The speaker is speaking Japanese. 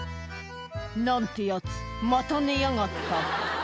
「何てやつまた寝やがった」